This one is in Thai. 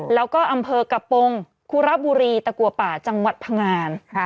แล้วก็อำเภอกระโปรงคุระบุรีตะกัวป่าจังหวัดพังงาน